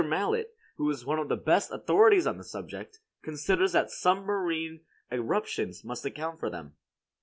Mallet, who is one of the best authorities on the subject, considers that submarine eruptions must account for them.